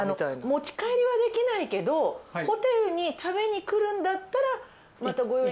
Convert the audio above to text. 持ち帰りはできないけどホテルに食べに来るんだったらまたご用意